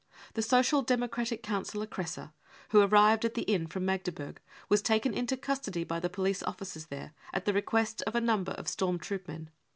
The Social Democratic Councillor Kresse, who arrived at the inn from Magde burg, was taken into custody by the police officers there at the request of a number of storm troop men.